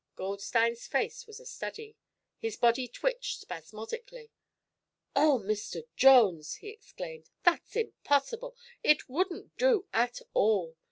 Goldstein's face was a study. His body twitched spasmodically. "Oh, Mr. Jones!" he exclaimed; "that's impossible; it wouldn't do at all!